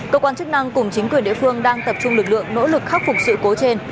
cơ quan chức năng cùng chính quyền địa phương đang tập trung lực lượng nỗ lực khắc phục sự cố trên